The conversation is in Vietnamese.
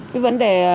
cái vấn đề